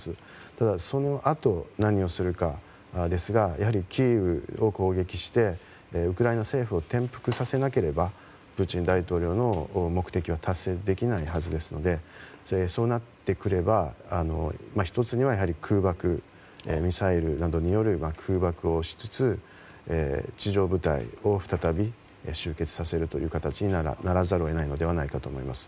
ただ、そのあと何をするかですがやはり、キーウを攻撃してウクライナ政府を転覆させなければプーチン大統領の目的は達成できないはずですのでそうなってくれば１つにはミサイルなどによる空爆をしつつ地上部隊を再び集結させる形にならざるを得ないのではないかと思います。